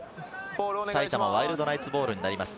埼玉ワイルドナイツボールになります。